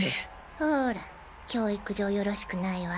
ほら教育上よろしくないわ。